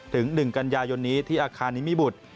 ถึง๑กันยายนนี้ที่อาคารนิมิบุตร